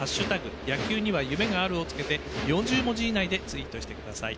野球には夢がある」をつけて４０文字以内でツイートしてください。